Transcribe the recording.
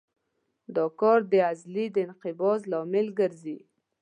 دا کار د عضلې د انقباض لامل ګرځي.